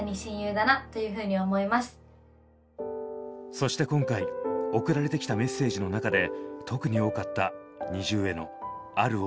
そして今回送られてきたメッセージの中で特に多かったＮｉｚｉＵへのある思いがあります。